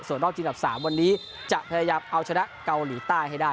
ส่วนรอบจริงดับ๓วันนี้จะพยายามเอาชนะเกาหลีใต้ให้ได้